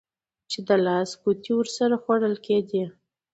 چې د لاس ګوتې ورسره خوړل کېدې.